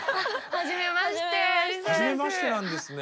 はじめましてなんですね。